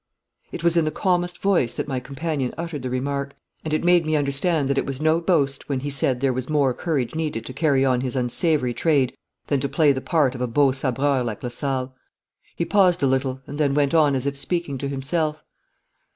It was in the calmest voice that my companion uttered the remark, and it made me understand that it was no boast when he said there was more courage needed to carry on his unsavoury trade than to play the part of a beau sabreur like Lasalle. He paused a little, and then went on as if speaking to himself.